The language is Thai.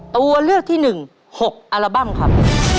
ตัวเลือกที่๑๖อัลบั้มครับ